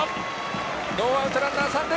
ノーアウト、ランナー、三塁！